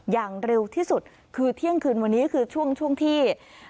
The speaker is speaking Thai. อย่างเร็วที่สุดคือเที่ยงคืนวันนี้คือช่วงที่